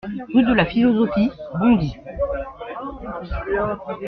Rue de la Philosophie, Bondy